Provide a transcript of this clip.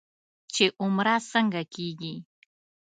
چې عمره څنګه کېږي.